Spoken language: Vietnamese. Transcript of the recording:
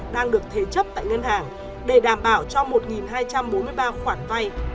đang được thế chấp tại ngân hàng để đảm bảo cho một hai trăm bốn mươi ba khoản vay